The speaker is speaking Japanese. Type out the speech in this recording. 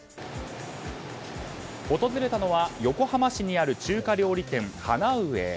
訪れたのは横浜市にある中華料理店ハナウエ。